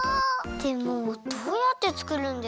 でもどうやってつくるんですか？